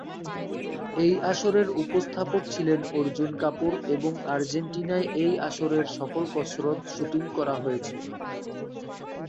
এই আসরের উপস্থাপক ছিলেন অর্জুন কাপুর এবং আর্জেন্টিনায় এই আসরের সকল কসরত শুটিং করা হয়েছে।